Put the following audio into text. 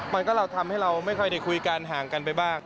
มันก็เราทำให้เราไม่ค่อยได้คุยกันห่างกันไปบ้าง